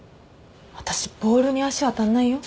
私ボールに足当たんないよ？